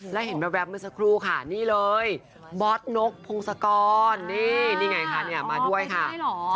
แล้วเห็นแว๊บเมื่อสักครู่ค่ะนี่เลยบอสนกพงศกรนี่นี่ไงคะเนี่ยมาด้วยค่ะ